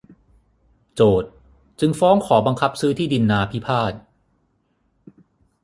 โจทก์จึงฟ้องขอบังคับซื้อที่ดินนาพิพาท